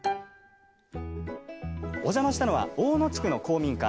お邪魔したのは大野地区の公民館。